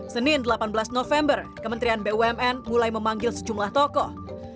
senin delapan belas november kementerian bumn mulai memanggil sejumlah tokoh